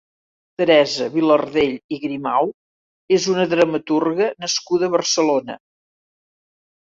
Teresa Vilardell i Grimau és una dramaturga nascuda a Barcelona.